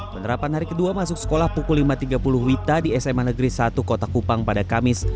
penerapan hari kedua masuk sekolah pukul lima tiga puluh wita di sma negeri satu kota kupang pada kamis